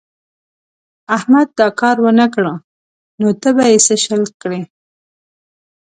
احمد دا کار و نه کړ نو ته به يې څه شل کړې.